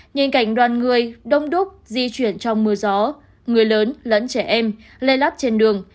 nhìn cảnh đoàn người đông đúc di chuyển trong mưa gió người lớn lẫn trẻ em lây lắt trên đường